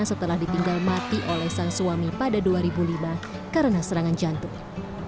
setelah ditinggal mati oleh sang suami pada dua ribu lima karena serangan jantung